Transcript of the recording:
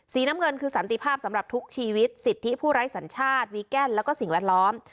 น้ำเงินคือสันติภาพสำหรับทุกชีวิตสิทธิผู้ไร้สัญชาติวีแกนแล้วก็สิ่งแวดล้อม